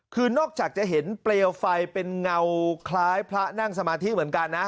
คือนอกจากจะเห็นเปลวไฟเป็นเงาคล้ายพระนั่งสมาธิเหมือนกันนะ